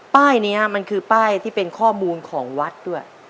ป้ายนี้มันคือป้ายที่เป็นข้อมูลของวัดด้วย